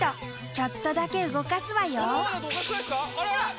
ちょっとだけ動かすわよ。